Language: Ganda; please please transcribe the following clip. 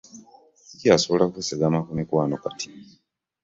Ssikyasobola kwesigama ku mikwano kati.